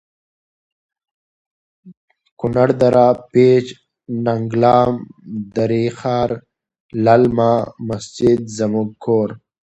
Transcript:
کنړ.دره پیج.ننګلام.دری ښار.للمه.مسجد زموړږ کور